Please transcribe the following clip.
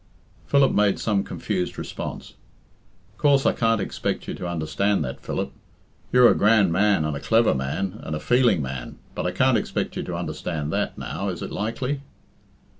Philip made some confused response. "Coorse, I can't expect you to understand that, Philip. You're a grand man, and a clever man, and a feeling man, but I can't expect you to understand that now, is it likely?